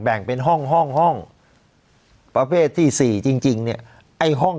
แบ่งเป็นห้องห้องห้องประเภทที่สี่จริงจริงเนี่ยไอ้ห้อง